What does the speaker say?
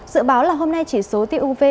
dự báo là hôm nay chỉ số tiêu uv